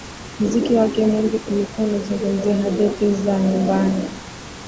Muziki wake mwingi ulikuwa unazungumzia hadithi za nyumbani